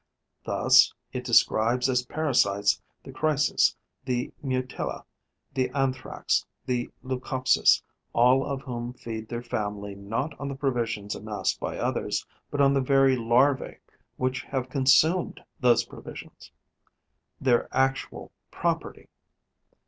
Thus it describes as parasites the Chrysis, the Mutilla, the Anthrax, the Leucopsis, all of whom feed their family not on the provisions amassed by others, but on the very larvae which have consumed those provisions, their actual property.